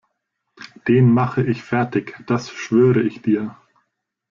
Den mache ich fertig, das schwöre ich dir!